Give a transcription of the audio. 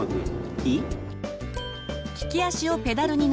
いい？